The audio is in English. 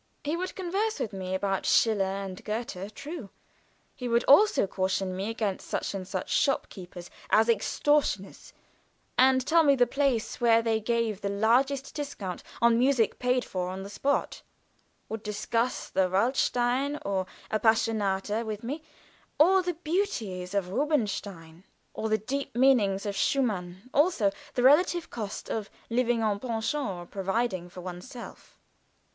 He would converse with me about Schiller and Goethe, true; he would also caution me against such and such shop keepers as extortioners, and tell me the place where they gave the largest discount on music paid for on the spot; would discuss the "Waldstein" or "Appassionata" with me, or the beauties of Rubinstein or the deep meanings of Schumann, also the relative cost of living en pension or providing for one's self.